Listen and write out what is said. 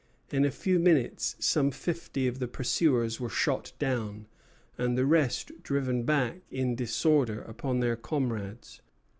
In a few minutes some fifty of the pursuers were shot down, and the rest driven back in disorder upon their comrades.